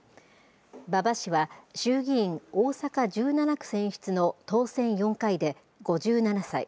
馬場氏は、衆議院大阪１７区選出の当選４回で、５７歳。